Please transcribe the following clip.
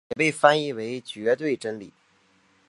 也被翻译为绝对真理。